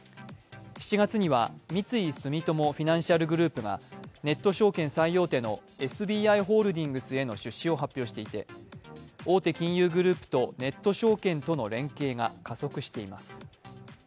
７月には三井住友フィナンシャルグループがネット証券最大手のＳＢＩホールディングスへの出資を発表していて大手金融グループとネット証券との連携が加速しています。